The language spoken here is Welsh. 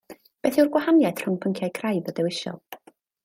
Beth yw'r gwahaniaeth rhwng pynciau craidd a dewisol?